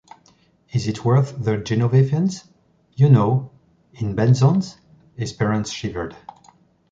Is it worth the Génovéfains’? You know... in Bezons? Espérance shivered.